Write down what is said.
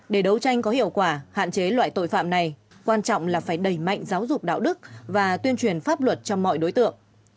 để đấu tranh có hiệu quả hạn chế loại tội phạm này quan trọng là phải đẩy mạnh giáo dục đạo đức và tuyên truyền pháp luật cho mọi đối tượng